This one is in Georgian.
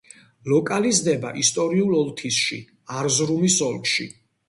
ლოკალიზდება ისტორიულ ოლთისში, არზრუმის ოლქში.